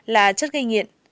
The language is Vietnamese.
là chất gây nghiện